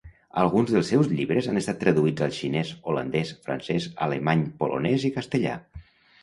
Alguns dels seus llibres han estat traduïts al xinès, holandès, francès, alemany, polonès i castellà.